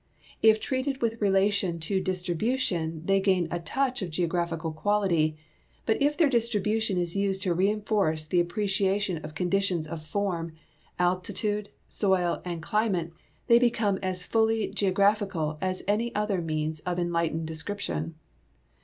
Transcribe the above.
If treated with relation to distribution they gain a touch of geographical quality ; but if their distri bution is used to reinforce the appreciation of conditions of form, altitude, soil, and climate they become as fully geograph ical as any other means of enlightened description.